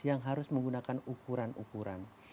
yang harus menggunakan ukuran ukuran